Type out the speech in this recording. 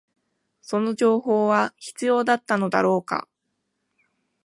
その情報は必要だったのだろうか